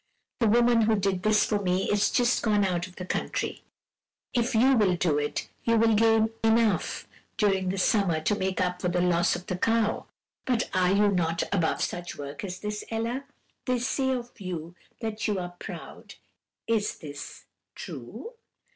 The woman who did this for me is just gone out of the country; if you will do it, you will gain enough during the summer to make up for the loss of the cow. But are you not above such work as this, Ella? They say of you that you are proud is this true?'